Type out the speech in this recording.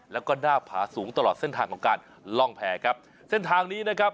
แล้วก็หน้าผาสูงตลอดเส้นทางของการล่องแพรครับเส้นทางนี้นะครับ